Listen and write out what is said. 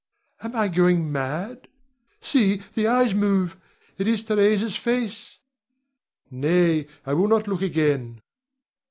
Am I going mad? See the eyes move, it is Theresa's face! Nay, I will not look again.